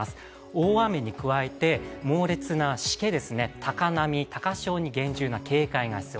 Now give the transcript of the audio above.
大雨に加えて、猛烈なしけ、高波、高潮に厳重な警戒が必要。